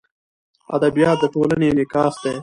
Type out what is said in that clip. ادبیات د ټولنې انعکاس دی.